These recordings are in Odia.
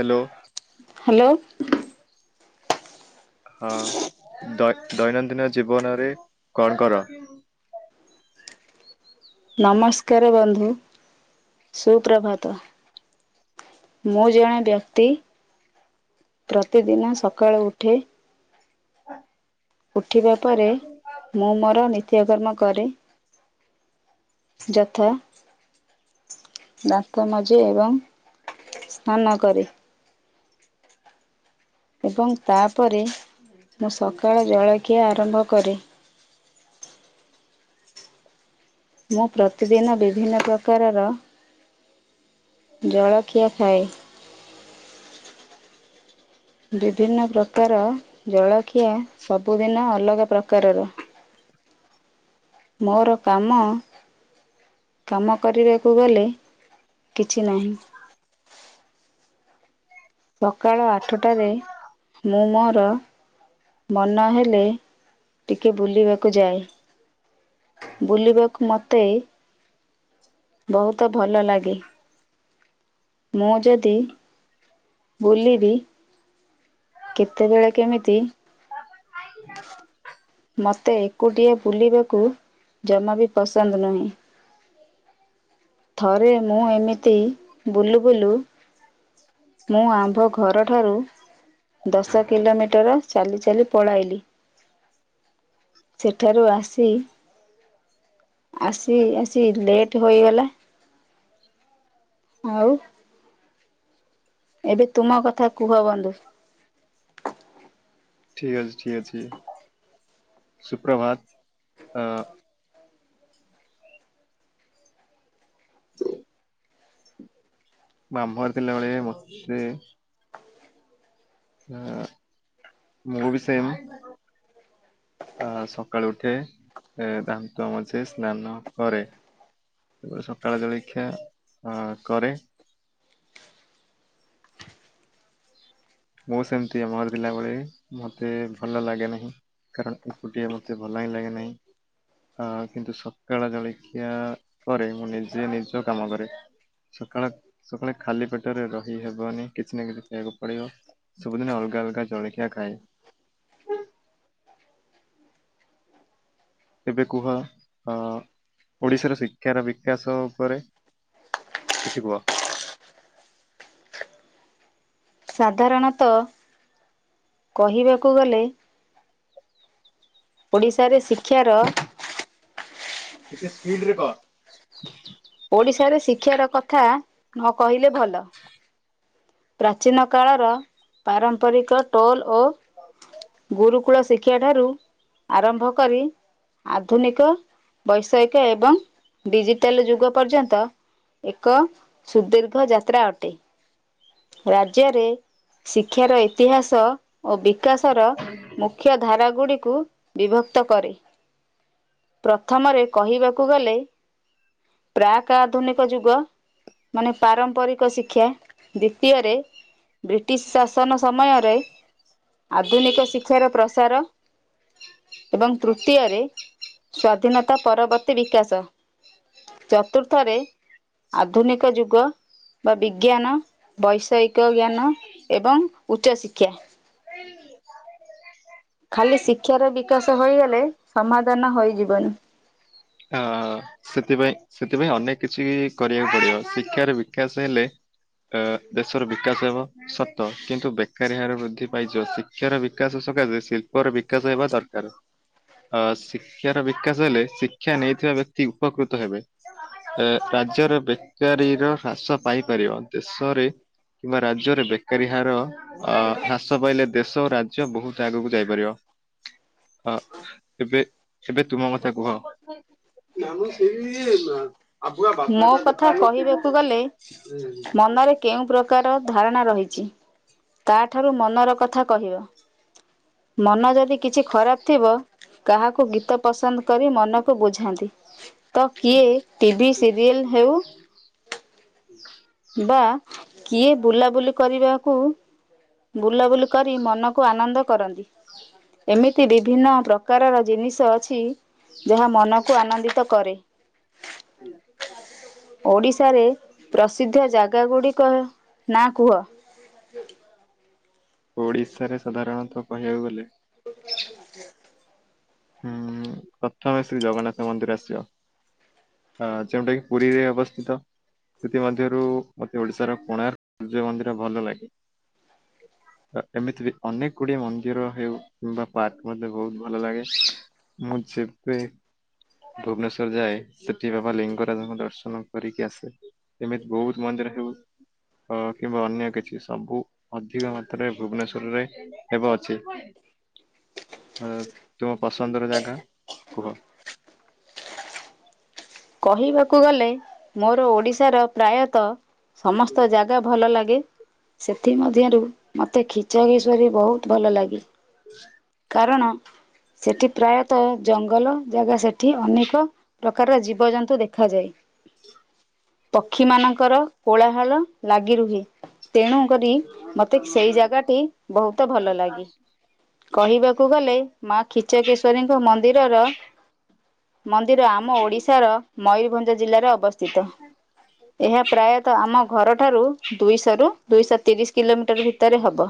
ହାଲୋ। ହାଲୋ। ହଁ ଦୈ-ଦୈନନ୍ଦିନ ଜୀବନରେ କଣ କର? ନମସ୍କାରେ ବନ୍ଧୁ ସୁପ୍ରଭାତ। ମୁଁ ଜଣେ ବ୍ୟକ୍ତି ପ୍ରତିଦିନ ସକାଳୁ ଉଠେ। ଉଠିବା ପରେ ମୁଁ ମୋର ନିତ୍ୟକର୍ମ କରେ। ଯଥା। ଦାନ୍ତ ମାଜେ ଏବଂ ସ୍ନାନ କରେ। ଏବଂ ତାପରେ ମୁଁ ସକାଳ ଜଳଖିଆ ଆରମ୍ଭ କରେ। ମୁଁ ପ୍ରତିଦିନ ବିଭିନ୍ନ ପ୍ରକାରର ଜଳଖିଆ ଖାଏ। ବିଭିନ୍ନ ପ୍ରକାର ଜଳଖିଆ ସବୁଦିନ ଅଲଗା ପ୍ରକାରର। ମୋର କାମ କାମ କରିବାକୁ ଗଲେ କିଛି ନାହିଁ। ସକାଳ ଆଠଟାରେ ମୁଁ ମୋର ମନ ହେଲେ ଟିକେ ବୁଲିବାକୁ ଯାଏ ବୁଲିବାକୁ ମତେ ବହୁତ ଭଲ ଲାଗେ। ମୁଁ ଯଦି ବୁଲିବି କେତେବେଳେ କେମିତି ଖାଇକି ଯାଉ। ମୋତେ ଏକୁଟିଆ ବୁଲିବାକୁ ଜମା ବି ପସନ୍ଦ ନୁହେଁ। ଥରେ ମୁଁ ଏମିତି ବୁଲୁ ବୁଲୁ ମୁଁ ଆମ୍ଭ ଘର ଠାରୁ ଦଶ କିଲୋମିଟର ଚାଲି ଚାଲି ପଳାଇଲି। ସେଠାରୁ ଆସି ଆସି ଆସି ଲେଟ୍ ହୋଇଗଲା ଆଉ ଏବେ ତୁମ କଥା କୁହ ବନ୍ଧୁ। ଠିକ୍ ଅଛି ଠିକ୍ ଅଛି ସୁପ୍ରଭାତ ଅ ହ ମାମୁଁ ଘରେ ଥିଲାବେଳେ ମୋତେ ଅ ମୁଁ ବି ସେମ୍ ଅ ସକାଳୁ ଉଠେ ଏ ଦାନ୍ତ ମଝେ ସ୍ନାନ କରେ। ଉ ସକାଳ ଜଳେଖିଆ ଅ କରେ। ମୁଁ ସେମତିଆ ମାମୁଁ ଘରେ ଥିଲାବେଳେ ମୋତେ ଭଲ ଲାଗେ ନାହିଁ। କାରଣ ଏକୁଟିଆ ମୋତେ ଭଲ ହିଁ ଲାଗେ ନାହିଁ। ଅ କିନ୍ତୁ ସକାଳ ଜଳେଖିଆ ପରେ ମୁଁ ନିଜେ ନିଜ କାମ କରେ। ସକାଳେ ସକାଳେ ଖାଲି ପେଟରେ ରହି ହେବନି କିଛି ନା କିଛି ଖାଇଆକୁ ପଡିବ। ସବୁଦିନେ ଅଲଗା ଅଲଗା ଜଳେଖିଆ ଖାଏ। ଏବେ କୁହ ଅ ଓଡିଶାର ଶିକ୍ଷାର ବିକାଶ ଉପରେ। କିଛି କୁହ? ସାଧାରଣତଃ କହିବାକୁ ଗଲେ ଓଡ଼ିଶାରେ ଶିକ୍ଷାର ଟକେ ସ୍ପିଡ଼ରେ କହ ଓଡିଶାରେ ଶିକ୍ଷାର କଥା ନ କହିଲେ ଭଲ। ପ୍ରାଚୀନ କାଳର ପାରମ୍ପରିକ ଟୋଲ୍ ଓ ଗୁରୁକୁଳ ଶିକ୍ଷାଠାରୁ ଆରମ୍ଭ କରି ଆଧୁନିକଜ ବୈସାୟିକ ଏବଂ ଡିଜିଟାଲ ଯୁଗ ପର୍ଯ୍ୟନ୍ତ ଏକ ସୁଦୀର୍ଘ ଯାତ୍ରା ଅଟେ। ରାଜ୍ୟରେ ଶିକ୍ଷାର ଇତିହାସ ଓ ବିକାଶର ମୁଖ୍ୟ ମୁଖ୍ୟ ଧାରାଗୁଡ଼ିକୁ ବିଭକ୍ତ କରେ ପ୍ରଥମରେ କହିବାକୁ ଗଲେ ପ୍ରାକ୍ ଆଧୁନିକ ଯୁଗ ମାନେ ପାରମ୍ପରିକ ଶିକ୍ଷା, ଦ୍ଵିତୀୟରେ ବ୍ରିଟିଶ ଶାସନ ସମୟରେ ଆଧୁନିକ ଶିକ୍ଷାର ପ୍ରସାର, ଏବଂ ତୃତୀୟରେ ସ୍ୟାଧୀନତା ପରବର୍ତ୍ତୀ ବିକାଶ। ଚତୁର୍ଥରେ ଆଧୁନିକ ଯୁଗ, ବା ବିଜ୍ଞାନ, ବୈଷୟିକ ଜ୍ଞାନ ଏବଂ ଉଚ୍ଚଶିକ୍ଷା। ଖାଲି ଶିକ୍ଷାର ବିକାଶ ହୋଇଗଲେ ସମାଧାନ ହୋଇଯିବନି। ଅ ସେଥିପାଇଁ ସେଥିପାଇଁ ଅନେକ କିଛି କରିବାକୁ ପଡିବ ଶିକ୍ଷାର ବିକାଶ ହେଲେ ଅ ଦେଶର ବିକାଶ ହେବ ସତ କିନ୍ତୁ ବେକାରୀ ହାର ବୃଦ୍ଧି ପାଇଯିବ ଶିକ୍ଷା ଶିକ୍ଷାର ବିକାଶ ସକାଶ ଶିଳ୍ପର ବିକାଶ ହେବା ଦରକାର। ଅ ଶିକ୍ଷାର ବିକାଶ ହେଲେ ଶିକ୍ଷା ଶିକ୍ଷା ନେଇଥିବା ବ୍ୟକ୍ତି ଉପକୃତ ହେବେ ରାଜ୍ୟର ବେକାରୀର ହ୍ରାସ ପାଇପାରିବ। ଦେଶରେ କିମ୍ବା ରାଜ୍ୟରେ ବେକାରୀ ହାର ଅ ହ୍ରାସ ପାଇଲେ ଦେଶ ଓ ରାଜ୍ୟ ବହୁତ ଆଗକୁ ଯାଇପାରିବ। [inaudible] ଅ ଏବେ ଏବେ ତୁମ କଥା କୁହ? [unintelligible] ଆଗୁଆ ମୋ ବାପାଟା କଥା ଦେଖାହେଲେ କହିବାକୁ ଗଲେ ସେ ହୁଁ ମନରେ କେଉଁ ପ୍ରକାର ଧାରଣା ରହିଛି ତାଠାରୁ ମନର କଥା କହିବ। ମନ ଯଦି କିଛି ଖରାପ ଥିବ କାହାକୁ ଗୀତ ପସନ୍ଦ କରି ମନକୁ ବୁଝାନ୍ତି। ତ କିଏ ଟିଭି ସିରିଏଲ୍ ହେଉ ବା କିଏ ବୁଲାବୁଲି କରିବାକୁ ବୁଲାବୁଲି କରି ମନକୁ ଆନନ୍ଦ କରନ୍ତି ଏମିତି ବିଭିନ୍ନ ପ୍ର ପ୍ରକାରର ଜିନିଷ ଅଛି ଯାହା ମନକୁ ଆନନ୍ଦିତ କରେ। ହୁଁ ଓଡ଼ିଶାରେ ପ୍ରସିଦ୍ଧ ଜାଗା ଗୁଡ଼ିକ ନାଁ କୁହ? ଓଡ଼ିଶାରେ ସାଧାରଣତଃ କହିବାକୁ ଗଲେ [inaudible] ହୁଁ ପ୍ରଥମେ ଶ୍ରୀ ଜଗନ୍ନାଥ ମନ୍ଦିର ଆସିବ। ହଁ ଯେଉଟା କିି ପୁରୀରେ ଅବସ୍ଥିତ। ସେଥିମଧ୍ୟରୁ ମତେ ଓଡ଼ିଶାର କୋଣାର୍କ ସୂର୍ଯ୍ୟ ମନ୍ଦିର ଭଲ ଲାଗେ। [inaudible] ଏମିତି ବି ଅନେକ ଗୁଡିଏ ମନ୍ଦିର ହେଉ କିମ୍ବା ପାର୍କ ମତେ ବହୁତ ଭଲ ଲାଗେ। ମୁଁ ଯେବେ ଭୁବନେଶ୍ଵର ଯାଏ ସେଠି ବାବା ଲିଙ୍ଗରାଜଙ୍କ ଦର୍ଶନ କରିକି ଆସେ ଏମିତି ବହୁତ ମନ୍ଦିର ହଉ। ଅ କିମ୍ବା ଅନ୍ୟ କିଛି ସବୁ। ଅଧିକ ମାତ୍ରାରେ ଭୁବନେଶ୍ୱର ରେ ହେବ ଅଛି। ଅ ତୁମ ପସନ୍ଦର ଜାଗା କୁହ? କହିବାକୁ ଗଲେ ମୋର ଓଡିଶାର ପ୍ରାୟତଃ ସମସ୍ତ ଜାଗା ଭଲ ଲାଗେ। ସେଥିମଧ୍ୟରୁ ମୋତେ ଖିଚରୀଶ୍ୱରୀ ବହୁତ ଭଲ ଲାଗେ। ହ କାରଣ ସେଠି ପ୍ରାୟତଃ ଜଙ୍ଗଲ ଜାଗା ସେଠି ଅନେକ ପ୍ରକାରର ଜୀବ ଯିବ ଯନ୍ତୁ ଦେଖାଯାଏ ପକ୍ଷୀ ମାନଙ୍କର କୋଳାହାଳ ଲାଗି ରୁହେ। ତେଣୁ କରି ମତେ ସେଇ ଜାଗାଟି ବହୁତ ଭଲ ଲାଗେ। କହିବାକୁ ଗଲେ ମା ଖିଚକେଶ୍ଵରୀଙ୍କ ମନ୍ଦିରର ମନ୍ଦିର ଆମ ଓଡ଼ିଶା ତ ମୟୂରଭଞ୍ଜ ଜିଲ୍ଲାରେ ଅବସ୍ଥିତ। ଏହା ପ୍ରାୟତଃ ଆମ ଘରଠାରୁ ଦୁଇଶହ ର ଦୁଇଶହ ତିରିଶ କିଲୋମିଟର ଭିତରେ ହବ।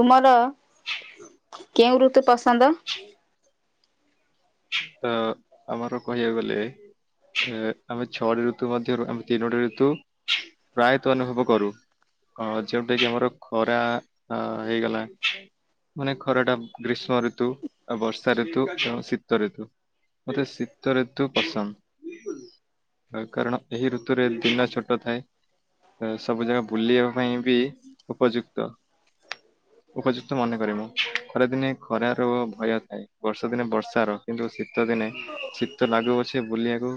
ତୁମର କେଉଁ ଋତୁ ପସନ୍ଦ? ଅ ଆମର କହିବାକୁ ଗଲେ ଆମେ ଛଅଟି ଋତୁ ମଧ୍ୟରୁ ଆମେ ତିନୋଟି ଋତୁ ପ୍ରାୟତଃ ଅନୁଭବ କରୁ। ହଁ ଯୋଉଟା କିି ଆମର ଖରା ଆ ହେଇଗଲା। ମାନେ ଖରା ଟା ଗ୍ରୀଷ୍ମ ଋତୁ ଆ ବର୍ଷା ଋତୁ କ ଶୀତ ତ ଋତୁ ମୋତେ ଶୀତ ଋତୁ ପସନ୍ଦ। କାରଣ ଏହି ଋତୁରେ ଦିନ ଛୋଟ ଥାଏ। ସବୁ ଜାଗା ବୁଲିବା ପାଇଁ ବି ଉପଯୁକ୍ତ। ଉପଯୁକ୍ତ ମନେ କରେ ମୁଁ ଖରାଦିନେ ଖରାର ଭୟ ଥାଏ ବର୍ଷା ଦିନେ ବର୍ଷାର କିନ୍ତୁ ଶୀତ ଦିନେ ଶୀତ ଲାଗୁଅଛେ ବୁଲିବାକୁ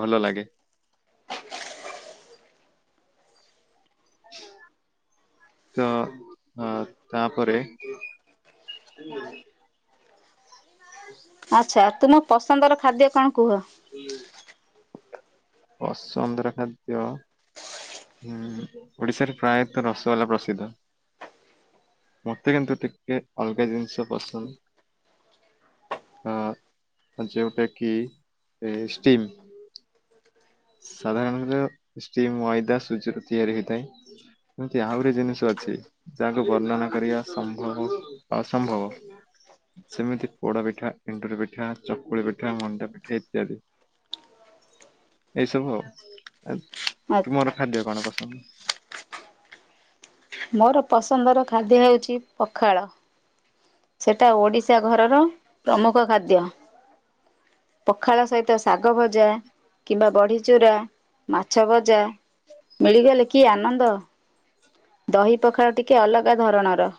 ଭଲ ଲାଗେ। ତ ଅ ତାପରେ ଆଚ୍ଛା ତୁମ ପସନ୍ଦର ଖାଦ୍ୟ କଣ କୁହ? ପସନ୍ଦର ଖାଦ୍ୟ ହୁଁ ଓଡିଶାରେ ପ୍ରାୟତଃ ରସଗୋଲା ପ୍ରସିଦ୍ଧ। ମତେ କିନ୍ତୁ ଟିକେ ଅଲଗା ଜିନିଷ ପସନ୍ଦ। ଅ ଯେଉଁଟା କିି ଏ ଷ୍ଟିମ୍। ସାଧାରଣତଃ ଷ୍ଟିମ ମଇଦା ସୁଜି ରୁ ତିଆରି ହେଇଥାଏ। ଏମିତି ଆହୁରି ଜିନିଷ ଅଛି। ଯାହାକୁ ବର୍ଣ୍ଣନା କରିବା ସମ୍ଭବ ଅସମ୍ଭବ। ସେମିତି ପୋଡା ପିଠା ଏଣ୍ଡୁରି ପିଠା ଚକୁଳି ପିଠା ମଣ୍ଡା ପିଠା ଇତ୍ୟାଦି। ଏଇସବୁ ଆଉ ତୁମର ଖାଦ୍ୟ କଣ ପସନ୍ଦ? ମୋର ପସନ୍ଦର ଖାଦ୍ୟ ହେଉଛି ପଖାଳ। ସେଇଟା ଓଡ଼ିଶା ଘରର ପ୍ରମୁଖ ଖାଦ୍ୟ। ପଖାଳ ସହିତ ଶାଗ ଭଜା କିମ୍ବା ବଢି ଚୂୁରା ମାଛ ଭଜା ମିଳିଗଲେ କି ଆନନ୍ଦ। ଦହି ପଖାଳ ଟିକେ ଅଲଗା ଧରଣର।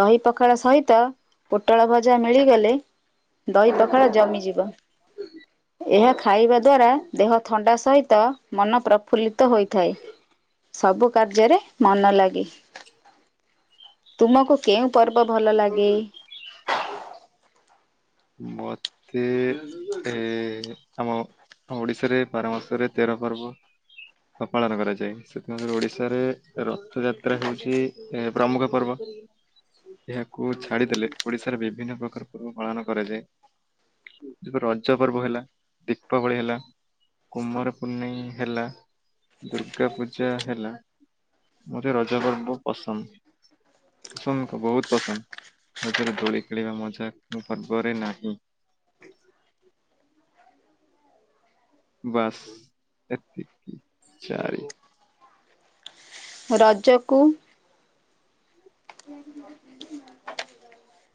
ଦହି ପଖାଳ ସହିତ ପୋଟଳ ଭଜା ମିଳିଗଲେ ଦହି ପଖାଳ ଜମିଯିବ। ଏହା ଖାଇବା ଦ୍ଵାରା ଦେହ ଥଣ୍ଡା ସହିତ ମନ ପ୍ରଫୁଲ୍ଲିତ ହୋଇଥାଏ ସବୁ କାର୍ଯ୍ୟରେ ମନ ଲାଗେ, ତୁମକୁ କେଉଁ ପର୍ବ ଭଲ ଲାଗେ? ମତେ ଏ ଆମ ଓଡିଶାରେ ବାର ମାସରେ ତେର ପର୍ବ। ପାଳନ କରାଯାଏ, ସେଥିମଧ୍ୟରୁ ଓଡିଶାରେ ରଥ ଯାତ୍ରା ହଉଛି ଏ ପ୍ରମୁଖ ପର୍ବ ଏହାକୁ ଛାଡିଦେଲେ ଓଡିଶାରେ ବିଭିନ୍ନ ପ୍ରକାର ପର୍ବ ପାଳନ କରାଯାଏ ରଜ ପର୍ବ ହେଲା ଦୀପାବଳି ହେଲା। କୁମାର ପୂନେଇଁ ହେଲା ଦୁର୍ଗା ପୂଜା ହେଲା। ମୋତେ ରଜ ପର୍ବ ବୋହୁତ୍ ପସନ୍ଦ୍। ପସନ୍ଦ୍ କ ବୋହୁତ୍ ପସନ୍ଦ୍ ରଜରେ ଦୋଳି ଖେଳିବା ମଜା ପର୍ବରେ ନାହିଁ। ବାସ୍ ଏତିକି ଚାରି ରଜକୁ ସେ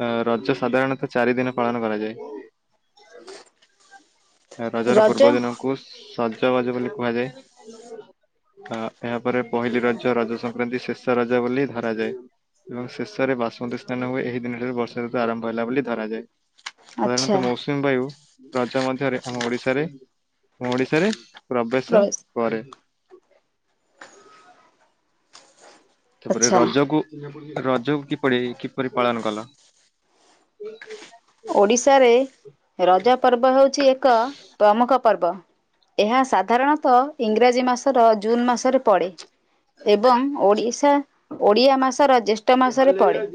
ଅଁ ରଜ ସାଧାରଣତଃ ଚାରି ଦିନ ପାଳନ କରାଯାଏ। ରଜାର ରଜ ପୂର୍ବ ଦିନକୁ ସଜବାଜ ବୋଲି କୁହାଯାଏ। ଅ ଏହାପରେ ପହିଲି ରଜ, ରଜ ସଂକ୍ରାନ୍ତି ଶେଷ ରଜ ବୋଲି ଧରାଯାଏ। ଏବଂ ଶେଷରେ ବାସୁମତୀ ସ୍ନାନ ହୁଏ ଏହି ଦିନ ଏବେ ବର୍ଷା ଋତୁ ଆରମ୍ଭ ହେଲା ବୋଲି ଧରାଯାଏ, ଆଚ୍ଛା ସାଧାରଣତଃ ମସ୍ ଲ ବାୟୁ ରଜ ମଧ୍ୟରେ ଆମ ଓଡିଶାରେ ଆମ ଓଡିଶାରେ ପ୍ରବେଶ କରେ। ତାପରେ ଆଚ୍ଛା ରଜକୁ ରଜ କିପରି କିପରି ପାଳନ କଲ? ଓଡ଼ିଶାରେ ରଜ ପର୍ବ ହୋଉଛି ଏକ ପ୍ରମୁଖ ପର୍ବ। ଏହା ସାଧାରଣତଃ ଇଂରାଜୀ ମାସର ଜୁନ୍ ମାସରେ ପଡ଼େ। ଏବଂ ଓଡ଼ିଶା ଓଡ଼ିଆ ମାସର ଜ୍ୟେଷ୍ଠ ମାସରେ ପଡ଼େ।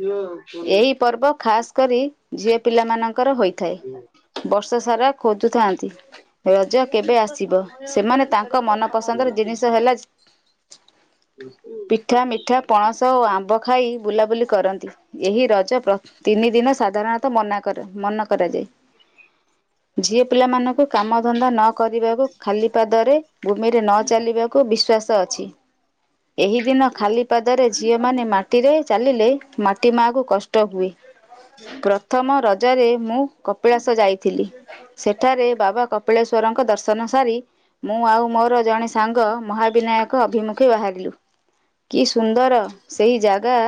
ଏହି ପର୍ବ ଖାସ୍ କରି ଝିଅ ପିଲା ମାନଙ୍କର ହୋଇଥାଏ। ବର୍ଷ ସାରା ଖୋଜୁଥାନ୍ତି। ରଜ କେବେ ଆସିବ ସେମାନେ ତାଙ୍କ ମନ ପସନ୍ଦର ଜିନିଷ ହେଲା ପିଠା ମିଠା ପଣସ ଓ ଆମ୍ବ। ଖାଇ ବୁଲାବୁଲି କରନ୍ତି ଏହି ରଜ ତିନି ଦିନ ସାଧାରଣ ତ ମନା କର ମନା କରାଯାଏ ଝିଅ ପିଲା ମାନଙ୍କୁ କାମଧନ୍ଦା ନ କରିବାକୁ ଖାଲି ପାଦରେ ଭୂମିରେ ନ ଚାଲିବାକୁ ବିଶ୍ଵାସ ଅଛି। ଏହି ଦିନ ଖାଲି ପାଦରେ ଝିଅ ମାନେ ମାଟିରେ ଚାଲିଲେ ମାଟି ମାକୁ କଷ୍ଟ ହୁଏ। ପ୍ରଥମ ରଜରେ ମୁଁ କପିଳାସ ଯାଇଥିଲି, ସେ ଠାରେ ବାବା କପିଳେଶ୍ୱରଙ୍କ ଦର୍ଶନ ସାରି ମୁଁ ଆଉ ମୋର ଜଣେ ସାଙ୍ଗ ମହାବିନାୟକ ଅଭିମୁ ଖେ ବାହାରିଲୁ କି ସୁନ୍ଦର ସେଇ ଜାଗା।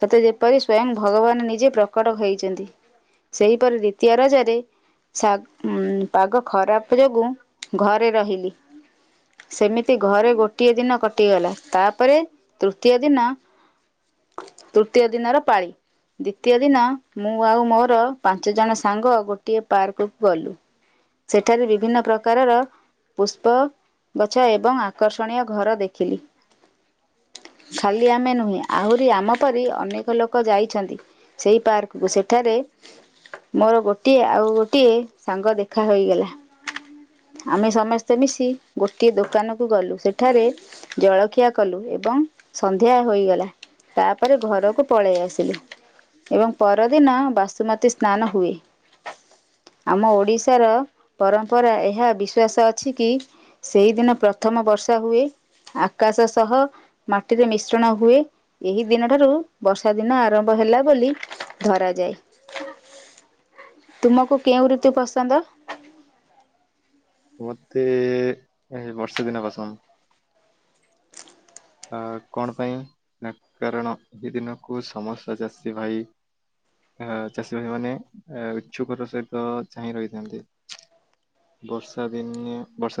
ସତେ ଯେପରି ସ୍ଵୟଂ ଭଗବାନ ନିଜେ ପ୍ରକଟ ହେଇଛନ୍ତି ସେହିପରି ଦ୍ୱିତୀୟ ରଜରେ ସା ପାଗ ଖରାପ୍ ଯୋଗୁ ଘରେ ରହିଲି। ସେମିତି ଘରେ ଗୋଟିଏ ଦିନ କଟିଗଲା ତାପରେ ତୃତୀୟ ଦିନ ତୃତୀୟ ଦିନର ପାଳି ଦ୍ଵିତୀୟ ଦିନ ମୁଁ ଆଉ ମୋର ପାଞ୍ଚ ଜଣ ସାଙ୍ଗ ଗୋଟିଏ ପାର୍କକୁ ଗଲୁ। ସେଠାରେ ବିଭିନ୍ନ ପ୍ରକାରର ପୁଷ୍ପ ଗଛ ଏବଂ ଆକର୍ଷଣୀୟ ଘର ଦେଖିଲି। ଖାଲି ଆମେ ନୁହେଁ ଆହୁରି ଆମ ପରି ଅନେକ ଲୋକ ଯାଇଛନ୍ତି ସେଇ ପାର୍କ। ଏବଂ ସେଠାରେ ମୋର ଗୋଟିଏ, ଆଉ ଗୋଟିଏ ସାଙ୍ଗ ଦେଖା ହୋଇଗଲା। ଆମେ ସମସ୍ତେ ମିଶି ଗୋଟିଏ ଦୋକାନକୁ ଗଲୁ, ସେଠାରେ ଜଳଖିଆ କଲୁ ଏବଂ ସନ୍ଧ୍ୟା ହୋଇଗଲା। ତାପରେ ଘରକୁ ପଳେଇ ଆସିଲି ଏବଂ ପରଦିନ ବାସୁମତୀ ସ୍ନାନ ହୁଏ। ଆମ ଓଡ଼ିଶାର ପରମ୍ପରା ଏହା ବିଶ୍ୱାସ ଅଛି କି ସେଇଦିନ ପ୍ରଥମ ବର୍ଷା ହୁଏ, ଆକାଶ ସହ ମାଟିରେ ମିଶ୍ରଣ ହୁଏ, ଏହି ଦିନ ଠାରୁ ବର୍ଷା ଦିନ ଆରମ୍ଭ ହେଲା ବୋଲି ଧର ଯାଏ, ତୁମକୁ କେଉଁ ଋତୁ ପସନ୍ଦ? ମତେ ଏ ବର୍ଷେ ଦିନ ପସନ୍ଦ। ଅ କଣ ପାଇଁ ନା କାରଣ ଏହି ଦିନକୁ ସମସ୍ତ ଚାଷୀ ଭାଇ ଅ ଚାଷୀ ଭାଇ ମାନେ ଉଚଛୁକର ସହିତ ଚାହିଁ ରହିଥାନ୍ତି। ବର୍ଷା ଦିନିଆ ବର୍ଷା ଦିନ